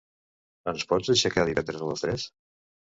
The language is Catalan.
Ens pots aixecar divendres a les tres?